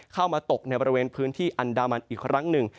เข้ามาตกในบริเวณพื้นที่อันดามันอีกครั้งหนึ่ง